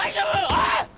おい！